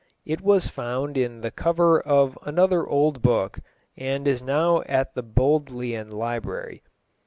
It was found in the cover of another old book, and is now in the Bodleian Library.